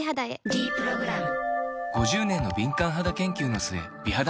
「ｄプログラム」